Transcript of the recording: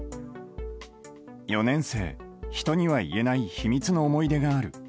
４年生、人には言えない秘密の思い出がある。